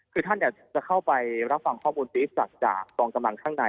คือท่านจะเข้าไปรับฟังข้อมูลติ๊ดจากกองกำลังข้างใน